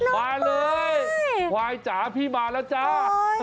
มาเลยควายจ๋าพี่มาแล้วจ้า